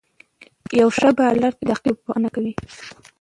یو ښه بالر دقیق توپونه کوي.